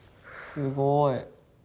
すごい。